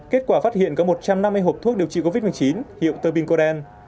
kết quả phát hiện có một trăm năm mươi hộp thuốc điều trị covid một mươi chín hiệu tơ binh cô đen